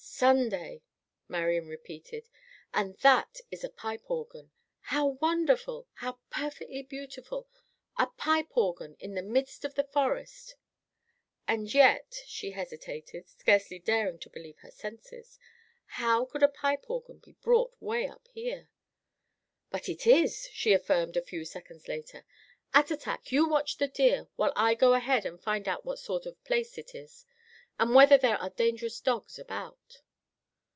"Sunday," Marian repeated. "And that is a pipe organ. How wonderful! How perfectly beautiful! A pipe organ in the midst of the forest!" "And yet," she hesitated, scarcely daring to believe her senses, "how could a pipe organ be brought way up here?" "But it is!" she affirmed a few seconds later. "Attatak, you watch the deer while I go ahead and find out what sort of place it is, and whether there are dangerous dogs about."